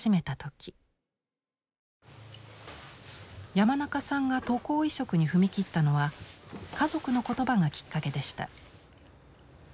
山中さんが渡航移植に踏み切ったのは家族の言葉がきっかけでした。